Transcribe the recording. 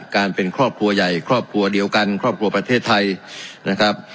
การเป็นครอบครัวใหญ่ครอบครัวเดียวกันครอบครัวประเทศไทยนะครับ